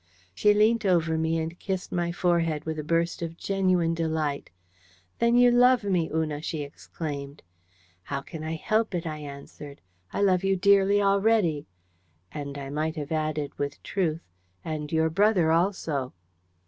She leant over me and kissed my forehead with a burst of genuine delight. "Then you love me, Una!" she exclaimed. "How can I help it?" I answered. "I love you dearly already." And I might have added with truth, "And your brother also."